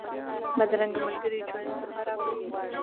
بدرنګه ملګري ژوند خرابوي